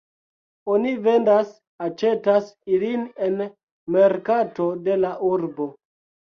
Oni vendas-aĉetas ilin en merkato de la urbo.